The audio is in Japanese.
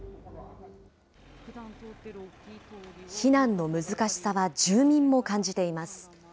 避難の難しさは住民も感じています。